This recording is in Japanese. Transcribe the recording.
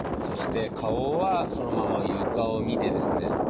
そして顔はそのまま床を見てですね